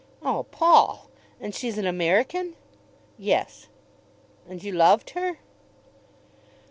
"Oh, Paul! And she is an American?" "Yes." "And you loved her?"